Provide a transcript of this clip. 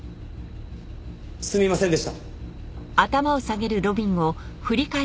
すみませんでした。